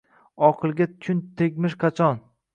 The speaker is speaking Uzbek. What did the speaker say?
Oqilga kun tegmish qachon?